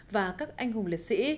và các anh hùng liệt sĩ